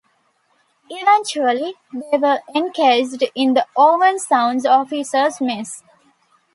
Eventually, they were encased in the Owen Sound Officers' Mess.